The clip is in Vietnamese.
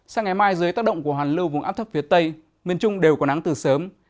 sáng ngày mai dưới tác động của hàn lưu vùng áp thấp phía tây miền trung đều có nắng từ sớm